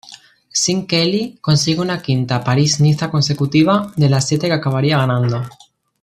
Sean Kelly consigue un quinta París-Niza consecutiva de las siete que acabaría ganando.